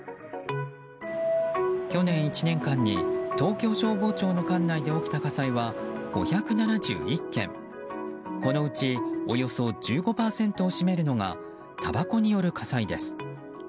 去年１年間に東京消防庁の管内で起きた火災は５７１件、このうちおよそ１５％を占めるのがたばこによる火災です。